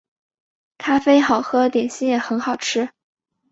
咖啡好喝，点心也很好吃